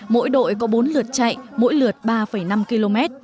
mỗi đội có bốn lượt chạy mỗi lượt ba năm km